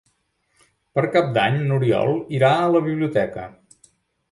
Per Cap d'Any n'Oriol irà a la biblioteca.